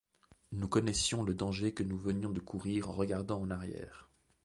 Nous connaissions le danger que nous venions de courir en regardant en arrière !